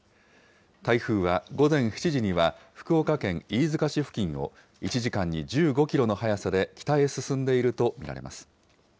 台風は午前７時には福岡県飯塚市付近を１時間に１５キロの速さで北へ進んでいると見られます。